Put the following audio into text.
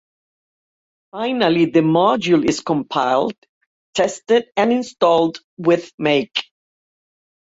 Finally, the module is compiled, tested, and installed with make.